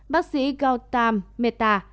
bác sĩ gautam mehta